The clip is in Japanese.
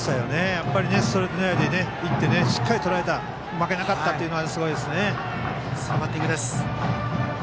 やはり、ストレート狙いでいってしっかりとらえた負けなかったというのはすごいですね。